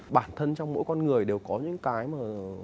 bản thân trong mỗi con người đều có những cái mà